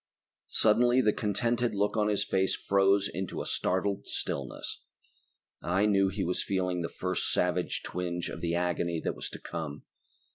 Suddenly the contented look on his face froze into a startled stillness. I knew he was feeling the first savage twinge of the agony that was to come.